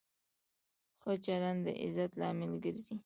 ښه چلند د عزت لامل ګرځي.